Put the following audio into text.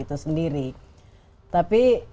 itu sendiri tapi